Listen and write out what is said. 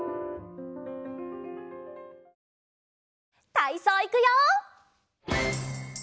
たいそういくよ！